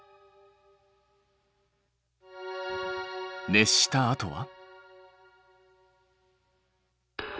熱したあとは？